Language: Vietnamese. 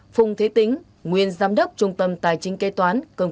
phùng thế tính nguyên giám đốc trung tâm tài chính kế toán